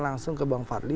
langsung ke bang fadli